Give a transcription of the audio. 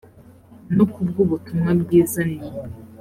no ku bw ubutumwa bwiza ni